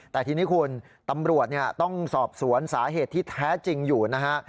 แต่ทีนี้คุณตำรวจต้องสอบสวนสาเหตุที่แท้จริงอยู่นะฮะ